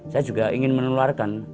saya juga ingin menularkan